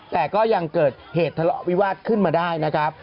แต่ก็ยังเกิดเหตุทะเลาะวิวาสขึ้นมาได้นะครับ